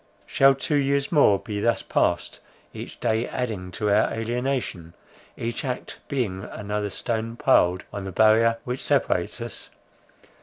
Shall two years more be thus passed, each day adding to our alienation, each act being another stone piled on the barrier which separates us?